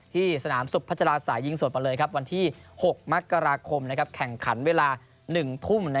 ที่สนามสุพัจจราสายิงสดไปเลยครับวันที่๖มกราคมแข่งขันเวลา๑ทุ่ม